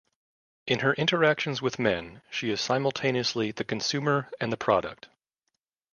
In her interactions with men, she is simultaneously the consumer and the product.